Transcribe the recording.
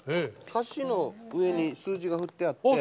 歌詞の上に数字が振ってあって。